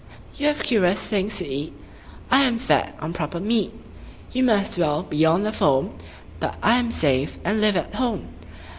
You have curious things to eat, I am fed on proper meat; You must dwell beyond the foam, But I am safe and live at home.